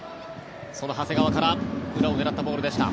その長谷川から裏を狙ったボールでした。